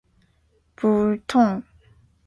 不疼